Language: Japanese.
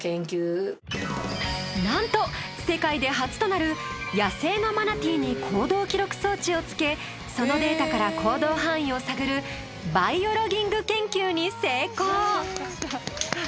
なんと世界で初となる野生のマナティーに行動記録装置をつけそのデータから行動範囲を探るバイオロギング研究に成功。